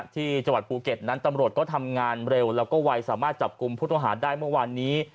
ที่จังหวัดภูเก็ตนั้นตำรวจก็ทำงานเร็วแล้วก็วัยสามารถจับกลุ่มผู้ต้องหาได้เมื่อวานนี้